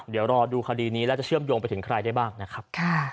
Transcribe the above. เดี๋ยวรอดูคดีนี้แล้วจะเชื่อมโยงไปถึงใครได้บ้างนะครับ